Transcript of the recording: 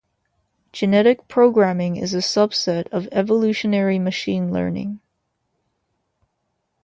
Genetic Programming is a subset of Evolutionary Machine Learning